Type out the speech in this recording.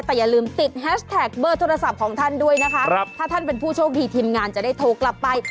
แต่อย่าลืมติดแฮชแท็กเบอร์โทรศัพท์ของท่านด้วยนะคะถ้าท่านเป็นผู้โชคดีทีมงานจะได้โทรกลับไป